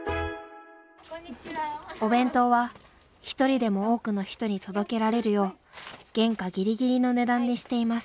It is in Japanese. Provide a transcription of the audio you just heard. お弁当は一人でも多くの人に届けられるよう原価ぎりぎりの値段にしています。